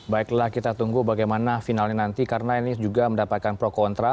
baiklah kita tunggu bagaimana finalnya nanti karena ini juga mendapatkan pro kontra